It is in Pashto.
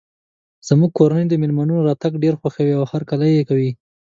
زموږ کورنۍ د مېلمنو راتګ ډیر خوښوي او هرکلی یی کوي